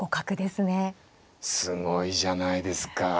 すごいじゃないですか。